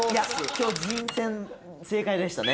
今日人選正解でしたね